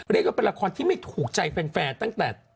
เรียกว่าเป็นละครที่ไม่ถูกใจแฟนตั้งแต่